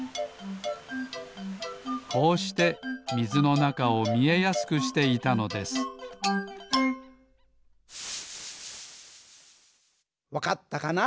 こうしてみずのなかをみえやすくしていたのですわかったかな？